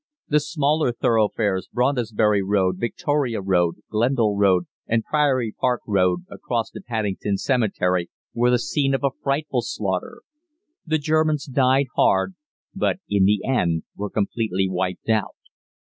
The smaller thoroughfares, Brondesbury Road, Victoria Road, Glendall Road, and Priory Park Road, across to Paddington Cemetery, were the scene of a frightful slaughter. The Germans died hard, but in the end were completely wiped out.